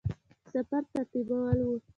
د سفر ترتیبول وه.